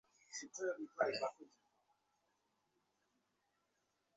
কারণ সৌভাগ্য সাথে থাকলে, যেকোনো কিছু সম্ভব মনে হয়।